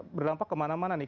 berdampak kemana mana nih